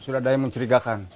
sudah ada yang mencurigakan